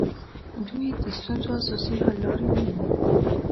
دوی د ستونزو اساسي حل لارې نه مومي